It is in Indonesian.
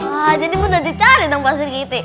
wah jadi mudah dicari dong pak sigit